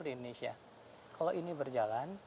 di indonesia kalau ini berjalan